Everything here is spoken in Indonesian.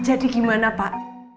jadi gimana pak